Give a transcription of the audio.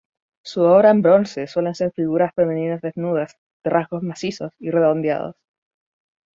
Su obra en bronce suelen ser figuras femeninas desnudas, de rasgos macizos y redondeados.